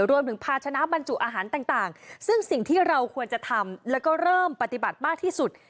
รวมถึงภาชนะบรรจุอาหารต่างซึ่งสิ่งที่เราควรจะทำแล้วก็เริ่มปฏิบัติมากที่สุด